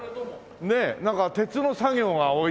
ねえなんか鉄の作業が多いですけども。